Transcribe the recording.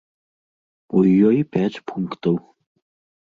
У ёй пяць пунктаў.